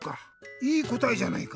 いいこたえじゃないか。